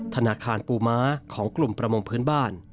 ธนาคารปูม้าของกลุ่มประมงพื้นบ้าน